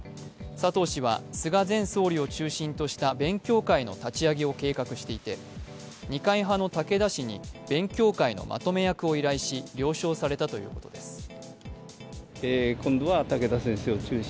佐藤氏は菅前総理を中心とした勉強会の立ち上げを計画していて、二階派の武田氏に勉強会のまとめ役を依頼し了承されたということです。